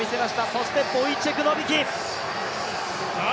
そしてボイチェク・ノビキ。